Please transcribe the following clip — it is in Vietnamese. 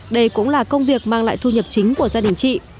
đây cũng là công việc mang lại thu nhập chính của gia đình chị